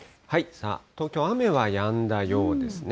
さあ、東京、雨はやんだようですね。